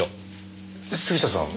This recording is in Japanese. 杉下さん